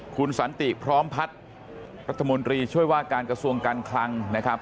คุณสันติพร้อมพัฒน์รัฐมนตรีช่วยว่าการกระทรวงการคลังนะครับ